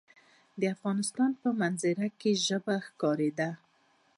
د افغانستان په منظره کې ژبې ښکاره ده.